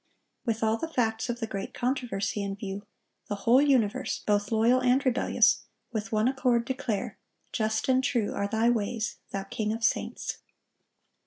With all the facts of the great controversy in view, the whole universe, both loyal and rebellious, with one accord declare, "Just and true are Thy ways, Thou King of saints."